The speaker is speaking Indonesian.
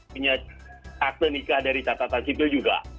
punya akte nikah dari catatan sipil juga